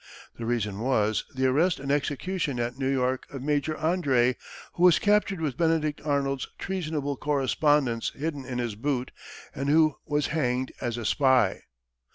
The reason was the arrest and execution at New York of Major André, who was captured with Benedict Arnold's treasonable correspondence hidden in his boot, and who was hanged as a spy.